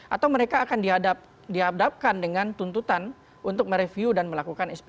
atau mereka akan diadapkan dengan tuntutan untuk mereview dan melakukan sp tiga